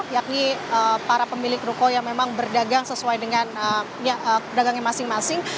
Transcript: yakni para pemilik ruko yang memang berdagang sesuai dengan pedagangnya masing masing